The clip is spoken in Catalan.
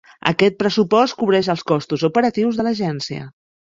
Aquest pressupost cobreix els costos operatius de l'agència.